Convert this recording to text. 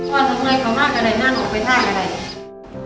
พ่อทำอะไรเขาห้ากันไหนนั่งออกไปท่ากันไหน